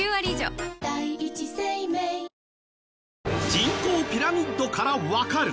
人口ピラミッドからわかる。